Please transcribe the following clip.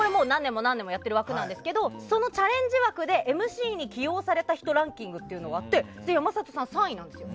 何年もやっている枠ですがそのチャレンジ枠でＭＣに起用された人ランキングというのがあってそれ、山里さん３位なんですよ。